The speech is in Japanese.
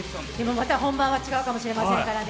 また本番は違うかもしれませんからね。